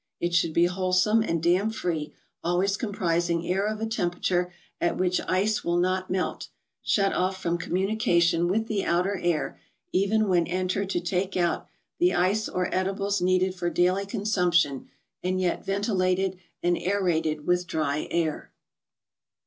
It should be wholesome and damp free, always comprising air of a temperature at which ice will not melt; shut off from communication with the outer air, even when en ICED BEVERAGES. 81 tered to take out the ice or edibles needed for daily con¬ sumption, and yet ventilated, and aerated with dry air.